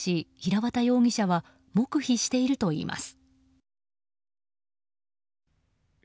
調べに対し、平綿容疑者は黙秘しているといいます。